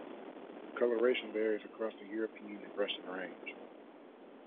Colouration varies across their European and Russian range.